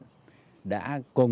đã đưa ra một đường